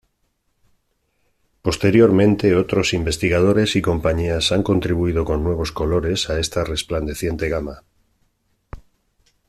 Posteriormente otros investigadores y compañías han contribuido con nuevos colores a esta resplandeciente gama.